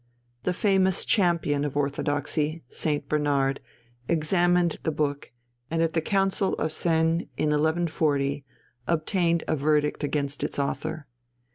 The famous champion of orthodoxy, St. Bernard, examined the book, and at the Council of Sens in 1140 obtained a verdict against its author.